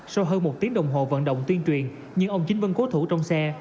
sau hơn một tiếng đồng hồ vận động tuyên truyền nhưng ông chính vẫn cố thủ trong xe